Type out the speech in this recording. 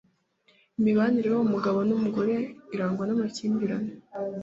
Imibanire y’uwo mugabo n’umugore irangwa n’amakimbirane